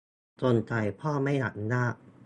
สงสัยพ่อไม่อนุญาต